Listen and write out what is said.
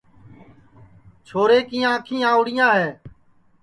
چھورے کِیاں آنکھیں آؤڑِیاں ہے